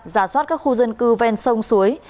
giả soát các khu dân cư ven sông suối